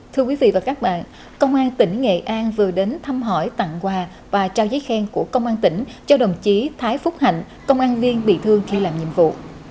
thưa quý vị và các bạn công an tỉnh nghệ an vừa đến thăm hỏi tặng quà và trao giấy khen của công an tỉnh cho đồng chí thái phúc hạnh công an viên bị thương khi làm nhiệm vụ